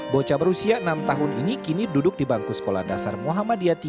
bocah berusia enam tahun ini kini duduk di bangku sekolah dasar muhammadiyah ii